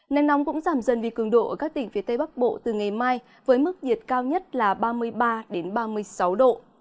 nắng nóng cũng giảm dần vì cường độ ở các tỉnh phía tây bắc bộ từ ngày mai với mức nhiệt cao nhất là ba mươi ba ba mươi sáu độ